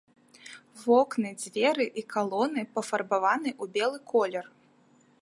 Вокны, дзверы і калоны пафарбаваны ў белы колер.